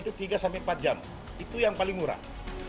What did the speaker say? pemakaian itu tiga empat jam itu yang paling murah